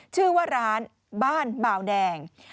ชื่อว่าร้านบ้านเบาแดง